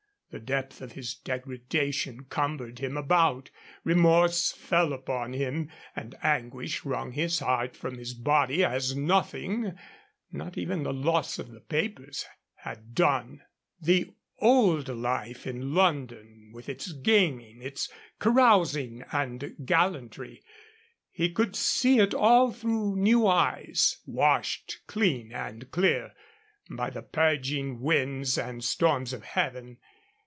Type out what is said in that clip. The depth of his degradation cumbered him about, remorse fell upon him, and anguish wrung his heart from his body as nothing not even the loss of the papers had done. The old life in London, with its gaming, its carousing and gallantry he could see it all through new eyes, washed clean and clear by the purging winds and storms of heaven.